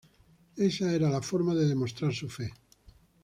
Esa era la forma de demostrar su fe.